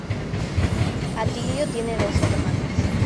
Atilio tiene dos hermanas.